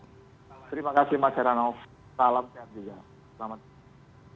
terima kasih mas herano salam sehat juga selamat